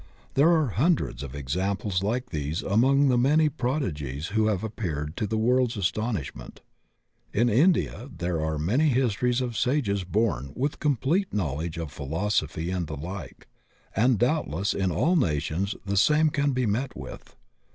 There are hundreds of examples like these among the many prodigies who have appeared to the world's astonislunent. In India there are many histories of sages bom with complete knowledge of philosophy and the like, and doubtless in all nations the same can be met with.